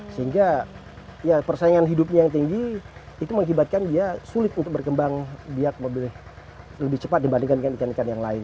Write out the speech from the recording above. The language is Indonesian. sehingga persaingan hidupnya yang tinggi itu mengibatkan dia sulit untuk berkembang biar lebih cepat dibandingkan ikan ikan yang lain